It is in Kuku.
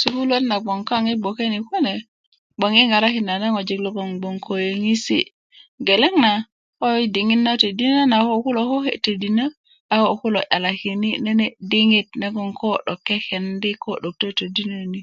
Sukuluwöt na gboŋ kaŋ gboke ni kune gboŋ yi ŋarakinda na ŋojik lo gboŋ ko yöŋesi geleŋ na ko yi diɲit na todinöna ko a ko kulo ke todinö a ko kulo 'yalakini nene diŋit ko 'dok kekendi ko 'dok totodinöni